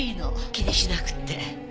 気にしなくて。